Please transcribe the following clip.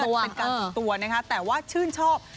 เป็นการส่วนตัวนะคะแต่ว่าชื่นชอบ